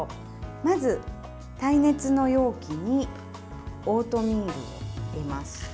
まず、耐熱の容器にオートミールを入れます。